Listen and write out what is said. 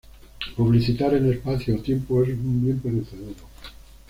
Publicitar en espacio o tiempo es un bien perecedero.